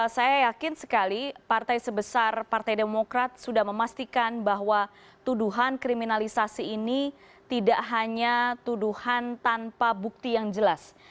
saya yakin sekali partai sebesar partai demokrat sudah memastikan bahwa tuduhan kriminalisasi ini tidak hanya tuduhan tanpa bukti yang jelas